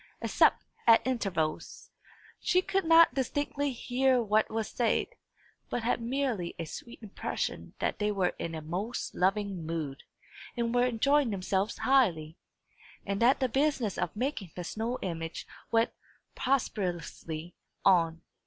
Except at intervals, she could not distinctly hear what was said, but had merely a sweet impression that they were in a most loving mood, and were enjoying themselves highly, and that the business of making the snow image went prosperously on.